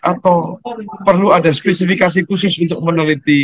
atau perlu ada spesifikasi khusus untuk meneliti